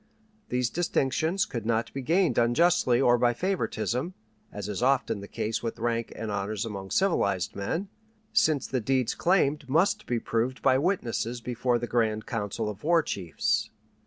These distinctions could not be gained unjustly or by favoritism, as is often the case with rank and honors among civilized men, since the deeds claimed must be proved by witnesses before the grand council of war chiefs.